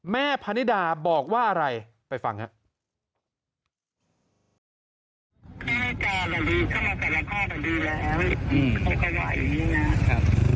พนิดาบอกว่าอะไรไปฟังครับ